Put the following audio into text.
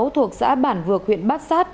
thuộc xã bản vược huyện bát sát